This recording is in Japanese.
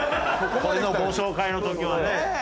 これのご紹介の時はね。